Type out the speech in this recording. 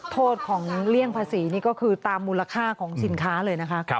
โทษของเลี่ยงภาษีนี่ก็คือตามมูลค่าของสินค้าเลยนะคะ